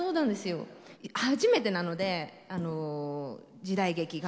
初めてなので時代劇が。